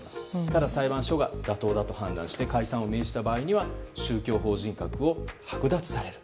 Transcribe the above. ただ、裁判所が妥当だと判断して解散を命令した場合には宗教法人格を剥奪される。